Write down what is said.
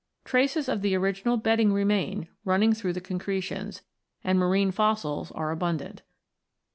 Traces of the original bedding remain, running through the concretions, and marine fossils are abundant.